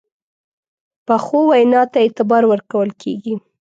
پخو وینا ته اعتبار ورکول کېږي